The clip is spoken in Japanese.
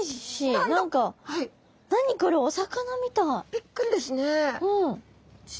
びっくりですね。